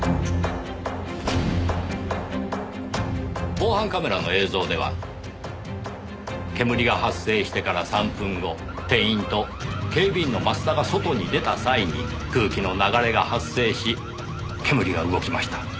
防犯カメラの映像では煙が発生してから３分後店員と警備員の増田が外に出た際に空気の流れが発生し煙が動きました。